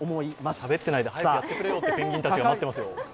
しゃべってないで早くやってくれよとペンギンが待ってますよ。